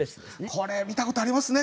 これ見たことありますね